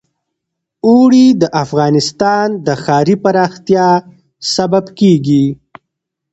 اوړي د افغانستان د ښاري پراختیا سبب کېږي.